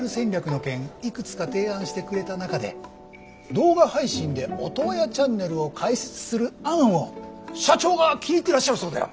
いくつか提案してくれた中で動画配信でオトワヤチャンネルを開設する案を社長が気に入ってらっしゃるそうだよ。